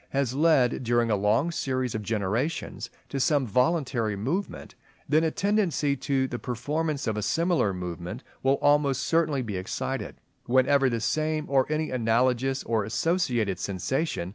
has led during a long series of generations to some voluntary movement, then a tendency to the performance of a similar movement will almost certainly be excited, whenever the same, or any analogous or associated sensation &c.